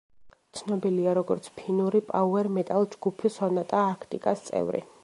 ცნობილია როგორც ფინური პაუერ მეტალ ჯგუფ სონატა არქტიკას წევრი.